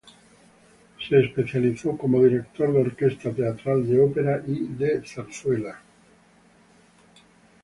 Se especializó como director de orquesta teatral de ópera y de zarzuela.